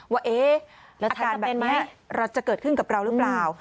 ว่าอาการแบบนี้เราจะเกิดขึ้นกับเราหรือเปล่า